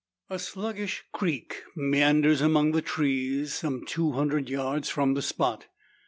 A sluggish creak meanders among the trees, some two hundred yards from the spot.